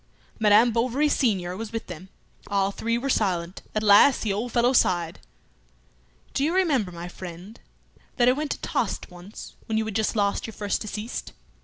Madame Bovary senior was with them. All three were silent. At last the old fellow sighed "Do you remember, my friend, that I went to Tostes once when you had just lost your first deceased?